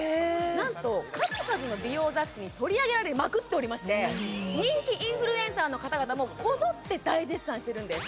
なんと数々の美容雑誌に取り上げられまくっておりまして人気インフルエンサーの方々もこぞって大絶賛してるんです